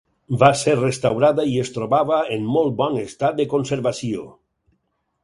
Va ser restaurada i es trobava en molt bon estat de conservació.